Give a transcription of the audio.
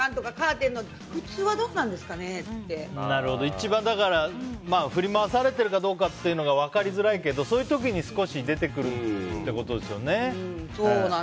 一番、振り回されているかどうかっていうのが分かりづらいけど、そういう時に出てくるってことですよね。